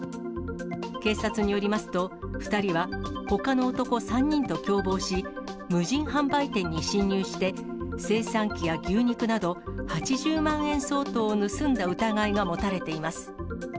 警察によりますと、２人は、ほかの男３人と共謀し、無人販売店に侵入して、精算機や牛肉など８０万円相当を盗んだ疑いが持たれています。